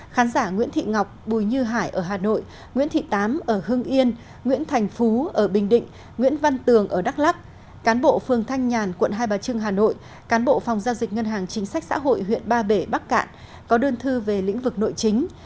khán giả nguyễn thị ngọc bùi như hải ở hà nội nguyễn thị tám ở hưng yên nguyễn thành phú ở bình định nguyễn văn tường ở đắk lắc cán bộ phường thanh nhàn quận hai bà trưng hà nội cán bộ phòng giao dịch ngân hàng chính sách xã hội huyện ba bể bắc cạn có đơn thư về lĩnh vực nội chính